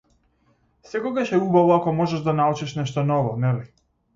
Секогаш е убаво ако можеш да научиш нешто ново, нели?